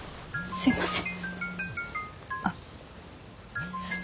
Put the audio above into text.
すいません。